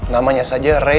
namanya saja rena